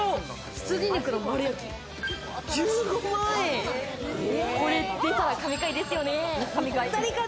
羊肉の丸焼き１５万円、これ、でたら食べたいですよね。